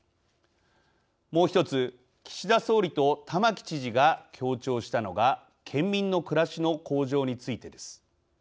もう一つ岸田総理と玉城知事が強調したのが県民の暮らしの向上についてです。